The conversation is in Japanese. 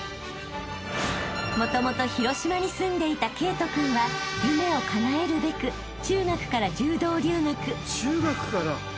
［もともと広島に住んでいた慧登君は夢をかなえるべく中学から柔道留学］